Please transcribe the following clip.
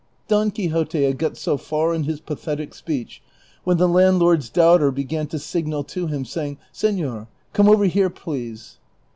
Don Quixote had got so far in his pathetic speech when the landlady's daughter began to signal " to him, saying, " Seiior, come over here, please."